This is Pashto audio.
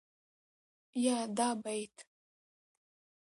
يا دا بيت